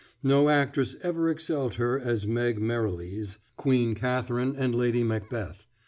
No actress ever excelled her as Meg Merrilies, Queen Katherine, and Lady Macbeth.